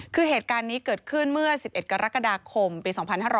คือเหตุการณ์นี้เกิดขึ้นเมื่อ๑๑กรกฎาคมปี๒๕๕๙